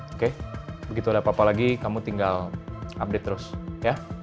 oke begitu ada apa apa lagi kamu tinggal update terus ya